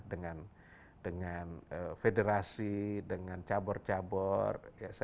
dengan federasi dengan cabur cabur